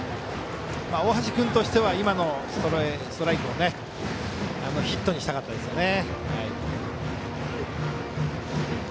大橋君としては今のストライクをヒットにしたかったですよね。